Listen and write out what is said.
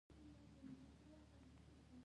بادي انرژي د افغانستان د پوهنې په نصاب کې شامل ده.